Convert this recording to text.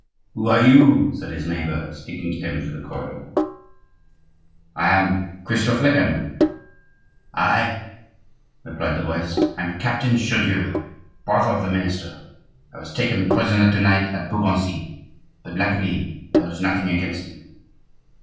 "Who are you?" said his neighbor, speaking to him through the corridor. "I am Christophe Lecamus." "I," replied the voice, "am Captain Chaudieu, brother of the minister. I was taken prisoner to night at Beaugency; but, luckily, there is nothing against me."